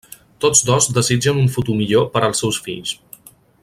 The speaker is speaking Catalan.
Tots dos desitgen un futur millor per als seus fills.